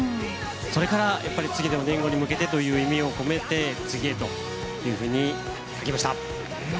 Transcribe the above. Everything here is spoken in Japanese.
それから次の４年後に向けてという意味を込めて次へというふうに書きました。